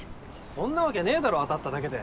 そんなわけねえだろ当たっただけで。